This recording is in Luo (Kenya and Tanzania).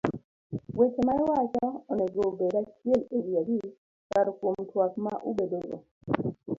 Weche ma iwacho onego obed achiel ewi abich kar kuom twak ma ubedogo.